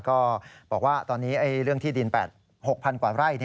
ก็บอกว่าตอนนี้เรื่องที่ดิน๘๐๐กว่าไร่